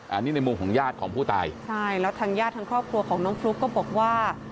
อันนี้ในมุมของญาติของผู้ตายใช่แล้วทางญาติทางครอบครัวของน้องฟลุ๊กก็บอกว่า